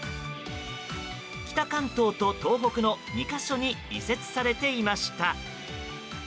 北関東と東北の２か所に移設されていました。